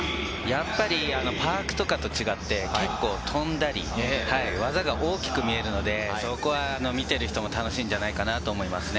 やっぱりパークとかと違って、結構飛んだり技が大きく見えるので、そこは見てる人も楽しいんじゃないかなと思いますね。